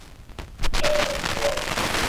Canımı sıkıyor.